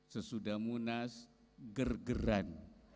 sesudah munas gergeran